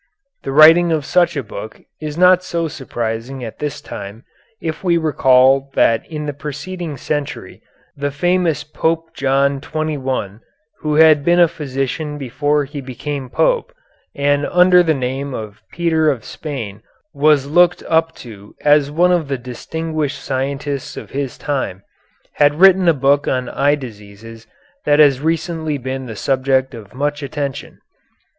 The writing of such a book is not so surprising at this time if we recall that in the preceding century the famous Pope John XXI, who had been a physician before he became Pope, and under the name of Peter of Spain was looked up to as one of the distinguished scientists of his time, had written a book on eye diseases that has recently been the subject of much attention.